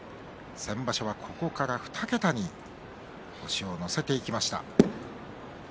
先場所はここから２桁に星を乗せていきました。